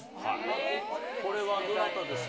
これはどなたですか。